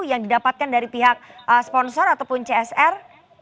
yang didapatkan dari pihak sponsor ataupun csr